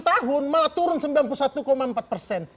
delapan tahun malah turun sembilan puluh satu empat persen